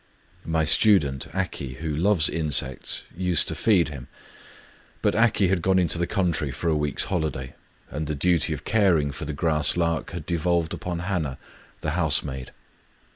My stu dent, Aki, who loves insects, used to feed him; but Aki had gone into the country for a week's holiday, and the duty of caring for the grass lark had devolved upon Hana, the housemaid.